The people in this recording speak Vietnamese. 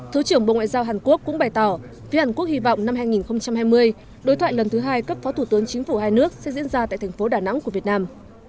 thứ trưởng bộ ngoại giao hàn quốc cũng bày tỏ phía hàn quốc hy vọng năm hai nghìn hai mươi đối thoại lần thứ hai cấp phó thủ tướng chính phủ hai nước sẽ diễn ra tại thành phố đà nẵng của việt nam